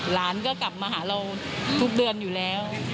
หลานก็กลับมาหาเราทุกเดือนอยู่แล้ว